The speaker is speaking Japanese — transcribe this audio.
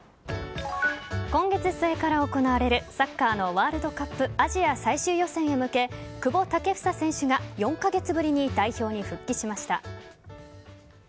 今月末から行われるサッカーのワールドカップアジア最終予選へ向け久保建英選手が４カ月ぶりに代表に復帰しました。